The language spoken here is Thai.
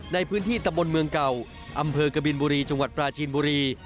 ในพื้นที่ตะบนเมืองเก่าอำเภอกบินบุรีจังหวัดปราจีนบุรี